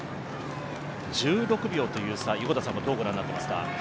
１６秒という差、横田さんはどうご覧になっていますか？